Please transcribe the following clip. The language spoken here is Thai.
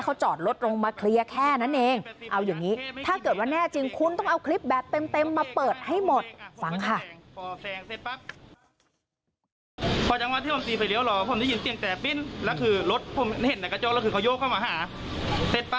เอาอย่างนี้ถ้าเกิดว่าแน่จริงคุณต้องเอาคลิปแบบเต็มมาเปิดให้หมดฟังค่ะ